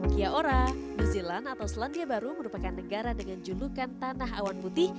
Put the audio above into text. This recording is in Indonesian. kia ora new zealand atau selandia baru merupakan negara dengan julukan tanah awan putih